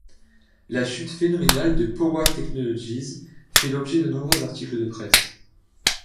La chute phénoménale de Powa Technologies fait l'objet de nombreux articles de presse.